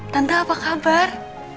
tante apa kabar